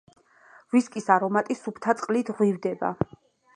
ვისკის არომატი სუფთა წყლით ღვივდება.